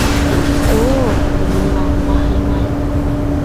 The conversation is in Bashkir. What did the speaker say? О, был минең аңыма һыймай.